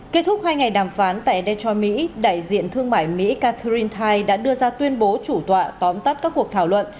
kết thúc hai ngày đàm phán tại detroit đại diện thương mại mỹ catherine tai đã đưa ra tuyên bố chủ tọa tóm tắt các cuộc thảo luận